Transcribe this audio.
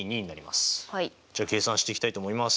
じゃあ計算していきたいと思います。